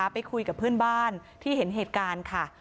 ไปคุยกับเพื่อนบ้านที่เห็นเหตุการณ์ค่ะ